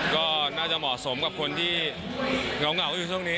ก็น่าจะเหมาะสมกับคนที่เหงาอยู่ช่วงนี้